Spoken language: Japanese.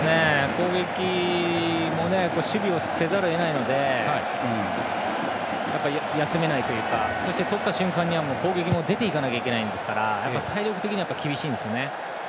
攻撃も守備をせざるを得ないので休めないというかとった瞬間には攻撃に出て行かないといけないので体力的にも厳しいんですよね。